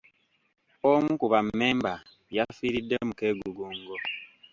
Omu ku bammemba yafiiridde mu keegugungo.